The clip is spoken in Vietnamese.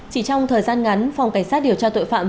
chỉ trong thời gian ngắn phòng cảnh sát điều tra tội phạm